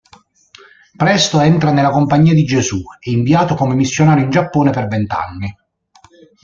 Presto entra nella Compagnia di Gesù e inviato come missionario in Giappone per vent'anni.